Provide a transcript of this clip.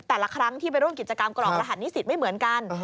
แต่ละครั้งที่ไปร่วมกิจกรรมกรอกรหัสนิสิตไม่เหมือนกัน